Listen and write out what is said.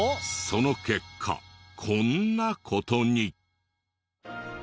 その結果こんな事に。